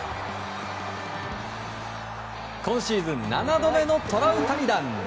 今シーズン７度目のトラウタニ弾。